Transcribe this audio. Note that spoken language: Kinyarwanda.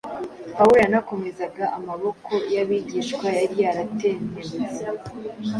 Pawulo yanakomezaga amaboko y’abigishwa yari yaratentebutse